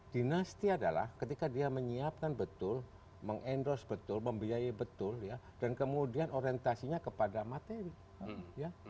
dinasti adalah ketika dia menyiapkan betul meng endorse betul membiayai betul ya dan kemudian orientasinya kepada materi